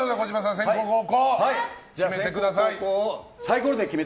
先攻・後攻決めてください。